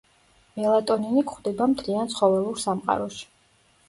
მელატონინი გვხვდება მთლიან ცხოველურ სამყაროში.